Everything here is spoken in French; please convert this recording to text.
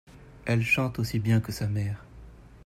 Elle chante aussi bien que sa mère.